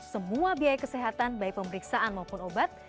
semua biaya kesehatan baik pemeriksaan maupun obat